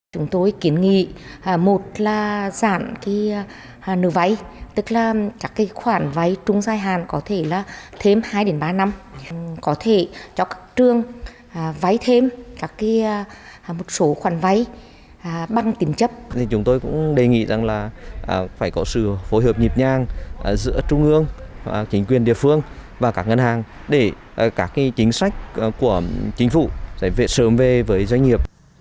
chúng tôi cũng đề nghị rằng là phải có sự phối hợp nhịp nhang giữa trung ương chính quyền địa phương và các ngân hàng để các chính sách của chính phủ sẽ sớm về với doanh nghiệp